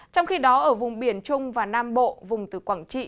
trong khi đó ở vùng biển trung và nam bộ vùng từ quảng trị